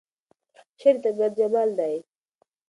شعر د طبیعت جمال دی.